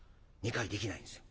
２回できないんですよ。